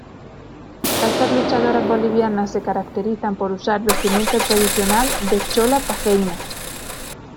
Estas luchadoras bolivianas se caracterizan por usar vestimenta tradicional de chola paceña.